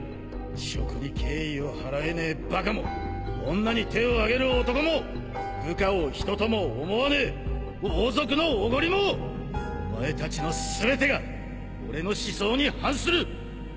食に敬意を払えねえバカも女に手を上げる男も部下を人とも思わねえ王族のおごりもお前たちの全てが俺の思想に反する！！